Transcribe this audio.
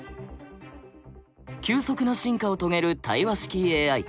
急速な進化を遂げる対話式ＡＩ。